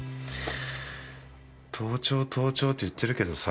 盗聴盗聴って言ってるけどさ。